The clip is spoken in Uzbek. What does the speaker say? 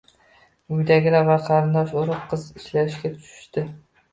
Uydagilar va qarindosh-urug` qiz izlashga tushishdi